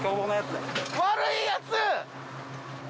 悪いやつ！